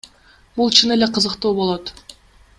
Бул чын эле кызыктуу болот.